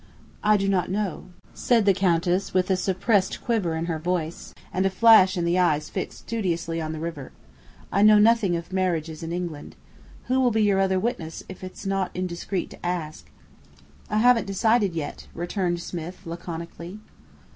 "I do not know," said the Countess with a suppressed quiver in her voice, and a flash in the eyes fixed studiously on the river. "I know nothing of marriages in England. Who will be your other witness, if it's not indiscreet to ask?" "I haven't decided yet," returned Smith, laconically.